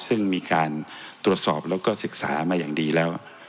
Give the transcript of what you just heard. ซึ่งมีการตรวจสอบแล้วก็ศึกษามาอย่างดีแล้ว